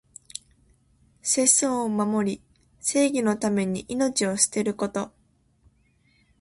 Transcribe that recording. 節操を守り、正義のために命を捨てること。